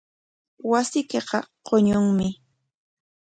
Wasiykiqa quñunmi.